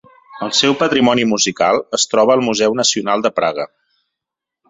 El seu patrimoni musical es troba al Museu Nacional de Praga.